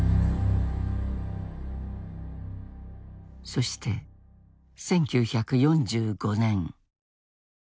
そして１９４５年。